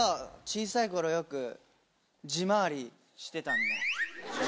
小さい頃よく自回りしてたんで。